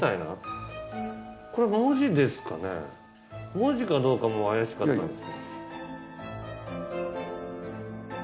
文字かどうかも怪しかったんですけど。